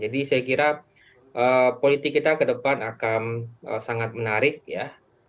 jadi saya kira politik kita ke depan akan sangat menarik ya